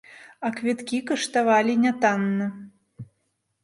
А квіткі каштавалі нятанна.